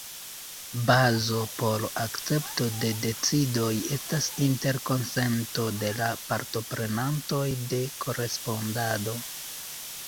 Bazo por akcepto de decidoj estas interkonsento de la partoprenantoj de korespondado.